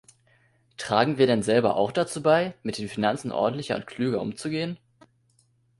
Tragen wir denn selber auch dazu bei, mit den Finanzen ordentlicher und klüger umzugehen?